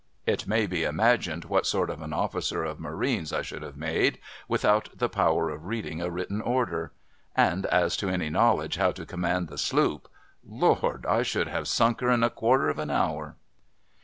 (It may be imagined what sort of an officer of marines I should have made, without the power of reading a Avritten order. And as to any knowledge how to command the sloop — Lord ! I should have sunk her in a quarter of an hour